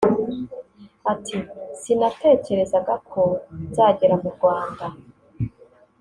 Ati “Sinatekerezaga ko nzagera mu Rwanda